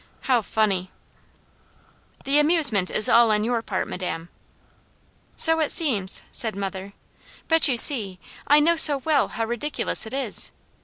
How funny!" "The amusement is all on your part, Madame." "So it seems!" said mother. "But you see, I know so well how ridiculous it is.